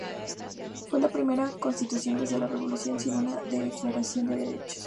Fue la primera constitución desde la Revolución sin una declaración de derechos.